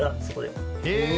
へえ！